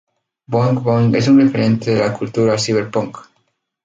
Boing boing es un referente de la cultura cyberpunk.